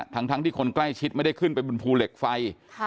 ทั้งที่คนใกล้ชิดไม่ได้ขึ้นไปบนภูเหล็กไฟ